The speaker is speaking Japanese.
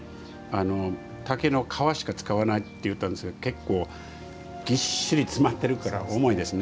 竹の皮しか使わないと言ったんですけれども結構ぎっしり詰まってるから重いですね。